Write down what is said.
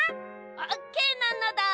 オーケーなのだ。